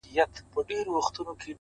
د ژوند کیفیت له فکره اغېزمنېږي!